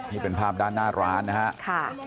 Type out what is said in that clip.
นี่เป็นภาพด้านหน้าร้านนะครับ